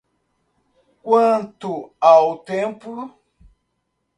Quanto ao tempo?